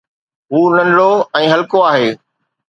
هو ننڍڙو ۽ هلڪو آهي.